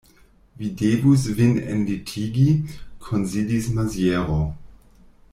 Vi devus vin enlitigi, konsilis Maziero.